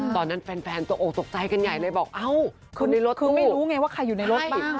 ตอนนั้นแฟนแฟนตกโอกตกใจกันไงเลยบอกเอ้าคนในรถตู้คือไม่รู้ไงว่าใครอยู่ในรถบ้าง